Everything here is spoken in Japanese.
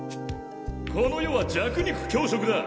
この世は弱肉強食だ！